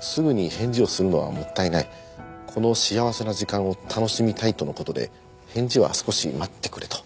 すぐに返事をするのはもったいないこの幸せな時間を楽しみたいとの事で返事は少し待ってくれと。